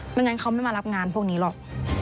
ไม่งั้นเขาไม่มารับงานพวกนี้หรอก